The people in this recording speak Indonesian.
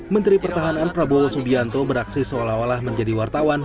menteri pertahanan prabowo subianto beraksi seolah olah menjadi wartawan